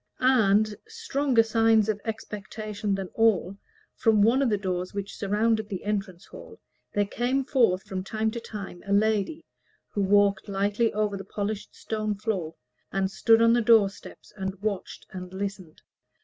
And, stronger sign of expectation than all, from one of the doors that surrounded the entrance hall, there came forth from time to time a lady, who walked lightly over the polished stone floor, and stood on the door steps and watched and listened.